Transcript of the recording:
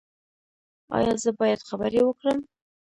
ایا زه باید خبرې وکړم؟